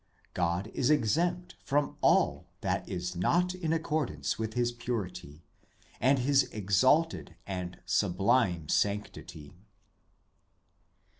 God is exempt from all that is not in accordance with His purity, and His exalted and sublime sanctity.